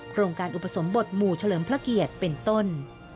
โครงการอุปสมบทหมู่เฉลิมพระเกียรติเป็นต้น